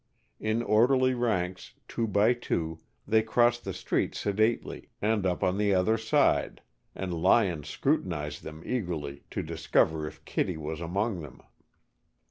In orderly ranks, two by two, they crossed the street sedately, and up on the opposite side, and Lyon scrutinized them eagerly to discover if Kittie was among them.